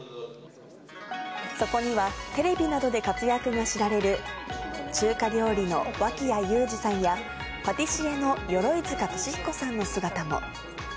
そこには、テレビなどで活躍が知られる、中華料理の脇屋友詞さんやパティシエの鎧塚俊彦さんの姿も。